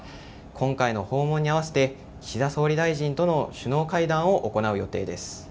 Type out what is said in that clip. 今回の訪問に合わせて岸田総理大臣との首脳会談を行う予定です。